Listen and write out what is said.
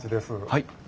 はい。